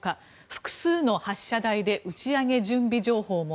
複数の発射台で打ち上げ準備情報も。